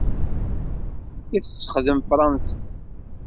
I tessexdem Fransa.